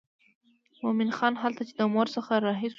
مومن خان هلته چې د مور څخه را رهي شو.